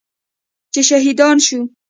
چې شهیدان شو.